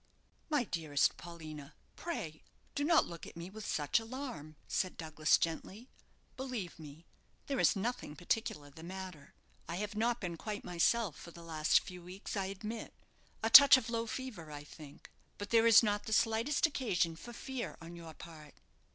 "My dearest Paulina, pray do not look at me with such alarm," said Douglas, gently. "Believe me, there is nothing particular the matter. I have not been quite myself for the last few weeks, I admit a touch of low fever, I think; but there is not the slightest occasion for fear on your part."